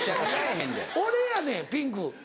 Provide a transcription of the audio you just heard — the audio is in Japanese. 俺やねんピンク。